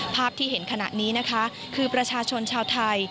ภาพที่เห็นขณะนี้นะคะคือประชาชนชาวไทย